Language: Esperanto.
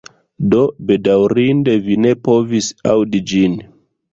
Do, bedaŭrinde vi ne povis aŭdi ĝin